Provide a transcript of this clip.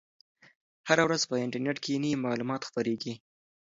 هره ورځ په انټرنیټ کې نوي معلومات خپریږي.